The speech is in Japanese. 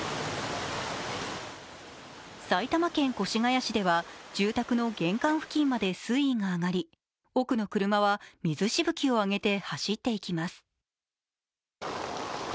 埼玉県越谷市では住宅の玄関付近まで水位が上がり奥の車は水しぶきを上げて走っていきます。